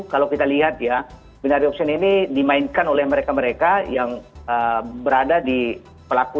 kalau kita lihat ya binary option ini dimainkan oleh mereka mereka yang berada di pelaku